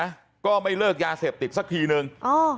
แต่ก็ไม่เลิกยาเสพติดที่นึง